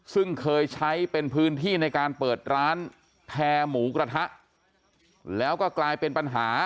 ซึ่งเคยใช้เป็นพื้นที่ในการเปิดร้านแพร่หมูกระทะแล้วก็กลายเป็นปัญหา